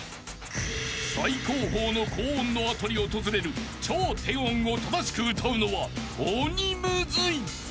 ［最高峰の高音の後に訪れる超低音を正しく歌うのは鬼ムズい］